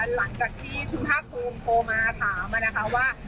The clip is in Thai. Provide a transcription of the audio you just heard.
หลังจากที่คุณภาคภูมิโทรมาถามมานะคะว่า